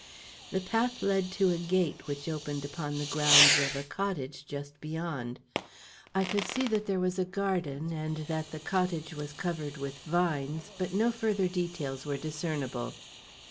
The path led to a gate which opened upon the grounds of a cottage just beyond. I could see that there was a garden and that the cottage was covered with vines, but no further details were discernible.